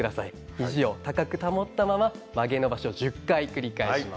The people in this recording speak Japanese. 肘を高く保ったまま曲げ伸ばしを１０回繰り返します。